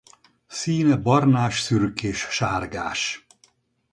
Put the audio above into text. Színe barnás-szürkés-sárgás.